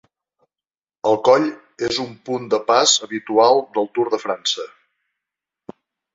El coll és un punt de pas habitual del Tour de França.